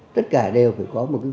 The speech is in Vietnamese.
tất cả đều phải có một quyền